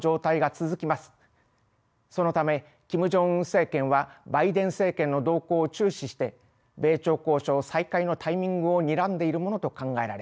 そのためキム・ジョンウン政権はバイデン政権の動向を注視して米朝交渉再開のタイミングをにらんでいるものと考えられます。